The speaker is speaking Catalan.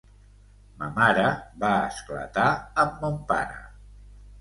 Ma mare va esclatar amb mon pare...